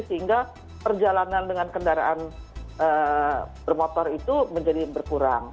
sehingga perjalanan dengan kendaraan bermotor itu menjadi berkurang